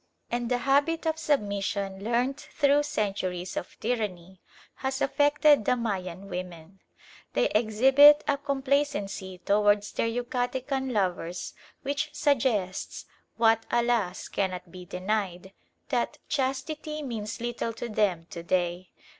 And the habit of submission learnt through centuries of tyranny has affected the Mayan women. They exhibit a complacency towards their Yucatecan lovers which suggests, what alas! cannot be denied, that chastity means little to them to day.